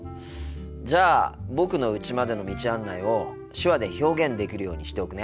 じゃあ僕のうちまでの道案内を手話で表現できるようにしておくね。